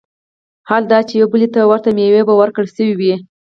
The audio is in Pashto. حال دا چي يوې بلي ته ورته مېوې به وركړى شوې وي